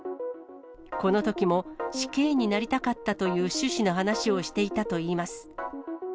このときも死刑になりたかったという趣旨の話をしていたといいます。